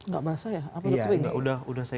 tidak basah ya